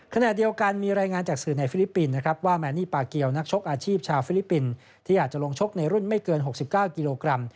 ขณะเดียวกันมีรายงานจากสื่อในฟิลิปปินส์นะครับว่าแมนนี่ปาเกียวนักชกอาชีพชาวฟิลิปปินส์ที่อาจจะลงชกในรุ่นไม่เกิน๖๙กิโลกรัม